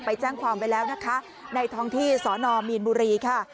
ก็ถูกทำไปแล้วนะคะในท้องที่สอนอมมีนบุรีค่ะ